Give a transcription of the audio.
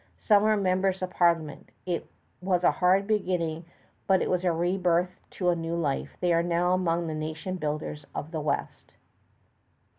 Some are members of Parliament. It was a hard beginning, but it was a rebirth to a new life. They are now among the nation builders of the West.